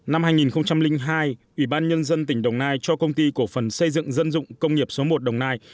năm hai nghìn hai ubnd tỉnh đồng nai cho công ty của phần xây dựng dân dụng công nghiệp số một đồng nai